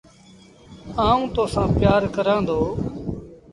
آئوٚݩ تو سآݩ پيآر ڪرآݩ دو۔